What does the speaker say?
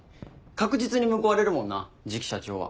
確実に報われるもんな次期社長は。